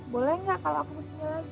boleh gak kalau aku kesini lagi